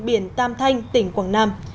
biển tâm thanh tỉnh quảng nam